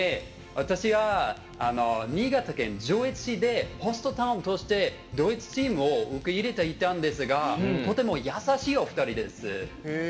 私は新潟県上越市でホストタウンとしてドイツチームを受け入れていたんですがとても優しいお二人です。